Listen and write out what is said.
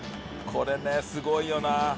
「これねすごいよな！